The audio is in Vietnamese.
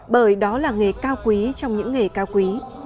bởi đó là nghề cao quý trong những nghề cao quý